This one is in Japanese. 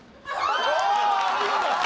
お見事！